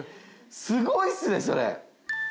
すごいっすねそれ。